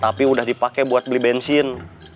tapi udah dipakai buat beli bensin